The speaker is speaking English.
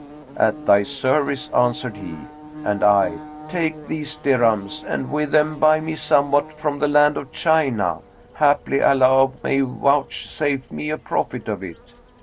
'At thy service,' answered he, and I, 'Take these dirhams and with them buy me somewhat from the land of China: haply Allah may vouchsafe me a profit of it.'